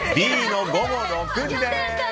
Ｂの午後６時です。